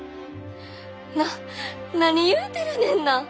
な何言うてるねんな！